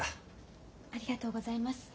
ありがとうございます。